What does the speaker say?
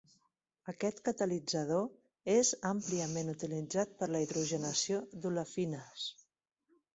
Aquest catalitzador és àmpliament utilitzat per a la hidrogenació d'olefines.